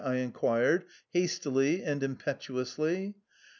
I inquired, hastily and impetuously.